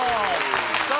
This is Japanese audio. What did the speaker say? さあ